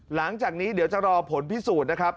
หลังจากนี้เดี๋ยวจะรอผลพิสูจน์นะครับ